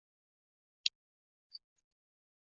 九十日币